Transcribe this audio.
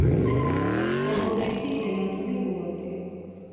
წოდორეთი კლიმატური კურორტია.